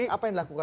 apa yang dilakukan